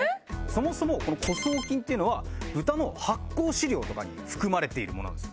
そもそもこの枯草菌というのは豚の発酵飼料とかに含まれているものなんですよね。